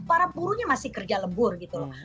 para buruhnya masih kerja lebur gitu loh